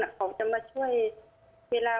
เขาจะมาช่วยเวลา